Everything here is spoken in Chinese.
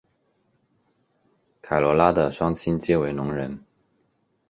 凯萝拉的双亲皆为聋人。